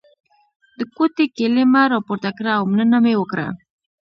د کوټې کیلي مې راپورته کړه او مننه مې وکړه.